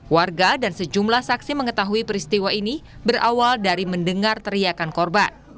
warga dan sejumlah saksi mengetahui peristiwa ini berawal dari mendengar teriakan korban